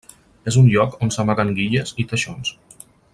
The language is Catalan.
És un lloc on s'amaguen guilles i teixons.